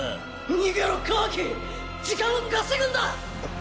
逃げろカワキ時間を稼ぐんだ！